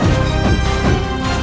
kau tidak bisa menang